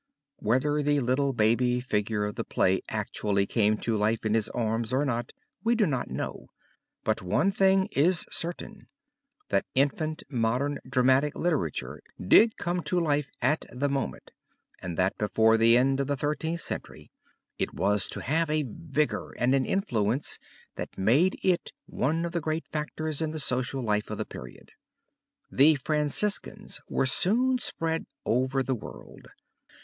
Whether the little baby figure of the play actually came to life in his arms or not we do not know, but one thing is certain, that infant modern dramatic literature did come to life at the moment and that before the end of the Thirteenth Century it was to have a vigor and an influence that made it one of the great factors in the social life of the period. The Franciscans were soon spread over the world.